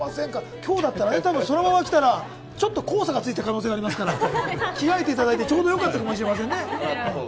今日だったらね、そのまま来たらちょっと黄砂がついた可能性がありますから、着替えていただいて、ちょうど良かったかもしれませんね。